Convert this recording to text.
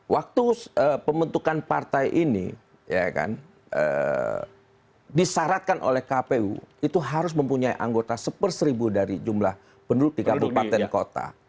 waktu pembentukan partai ini disyaratkan oleh kpu itu harus mempunyai anggota seper seribu dari jumlah penduduk di kabupaten kota